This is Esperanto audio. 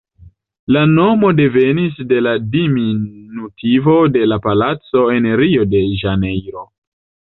La nomo devenis de la diminutivo de la palaco en Rio-de-Ĵanejro.